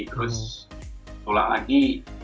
terus tolak lagi